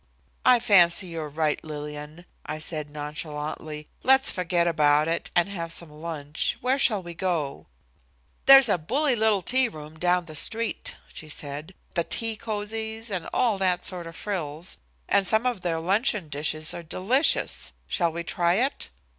"I fancy you're right, Lillian," I said nonchalantly. "Let's forget about it and have some lunch. Where shall we go?" "There's a bully little tea room down the street here." she said. "It's very English, with the tea cozies and all that sort of frills, and some of their luncheon dishes are delicious. Shall we try it?"